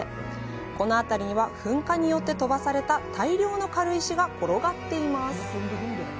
この辺りには噴火によって飛ばされた大量の軽石が転がっています。